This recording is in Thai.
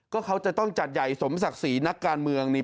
ก็เขาจะต้องจัดใหญ่สมศักดิ์ศรีนักการเมืองนี่